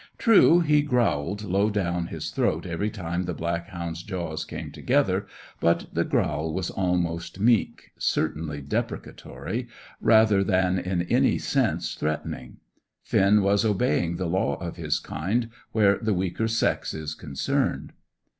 True, he growled low down his throat every time the black hound's jaws came together, but the growl was almost meek, certainly deprecatory, rather than in any sense threatening. Finn was obeying the law of his kind where the weaker sex is concerned.